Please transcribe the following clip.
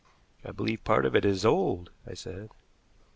"I believe part of it is old," I said.